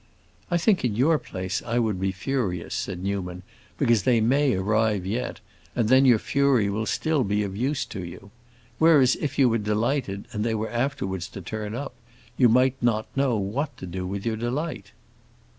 "I think in your place I would be furious," said Newman, "because they may arrive yet, and then your fury will still be of use to you. Whereas if you were delighted and they were afterwards to turn up, you might not know what to do with your delight."